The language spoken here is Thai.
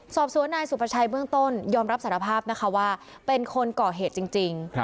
สอบสวนนายสุภาชัยเบื้องต้นยอมรับสารภาพนะคะว่าเป็นคนก่อเหตุจริง